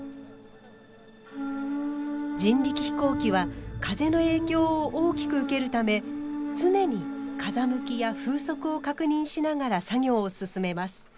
人力飛行機は風の影響を大きく受けるため常に風向きや風速を確認しながら作業を進めます。